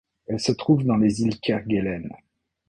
Elle se trouve dans les îles Kerguelen.